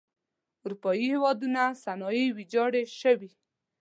اروپايي هېوادونو صنایع ویجاړې شوئ.